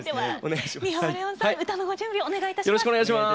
歌のご準備をお願い致します。